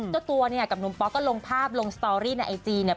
เจ้าตัวเนี่ยกับหนุ่มป๊อกก็ลงภาพลงสตอรี่ในไอจีเนี่ย